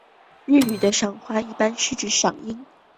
日语的赏花一般指的是赏樱。